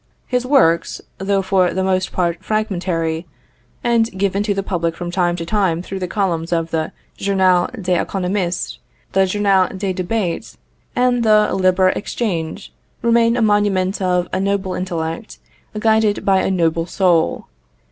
His works, though for the most part fragmentary, and given to the public from time to time through the columns of the Journal des Economistes, the Journal des Debats, and the Libre Echange, remain a monument of a noble intellect guided by a noble soul.